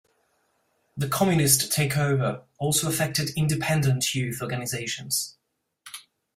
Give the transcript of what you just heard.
The communist takeover also affected independent youth organisations.